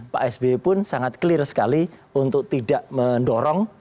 pak sby pun sangat clear sekali untuk tidak mendorong